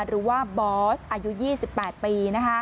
หรือว่าบอสอายุ๒๘ปี